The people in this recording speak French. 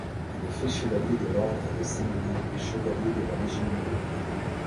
Il est fait chevalier de l'ordre de Saint-Louis et chevalier de la Légion d'honneur.